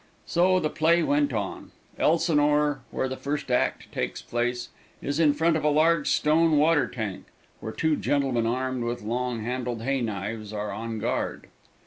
So the play went on. Elsinore, where the first act takes place, is in front of a large stone water tank, where two gentlemen armed with long handled hay knives are on guard.